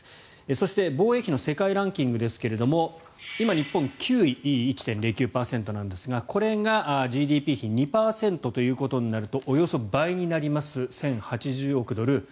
そして防衛費の世界ランキングですが今、日本９位１．０９％なんですがこれがＧＤＰ比２％ということになるとおよそ倍になります１０８０億ドル。